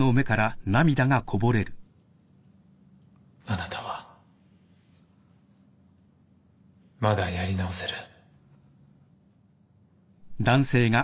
あなたはまだやり直せる。